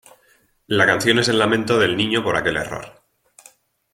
La canción es el lamento del niño por aquel error.